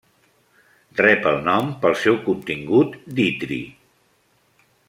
Rep el nom pel seu contingut d'itri.